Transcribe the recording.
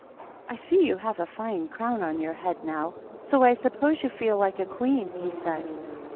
"I see you have a fine crown on your head now ; so I suppose you feel like a queen," he said.